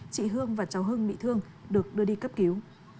chị hương và cháu hưng bị thương được đưa đi cấp cứu